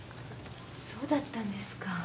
そうだったんですか。